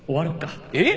えっ！？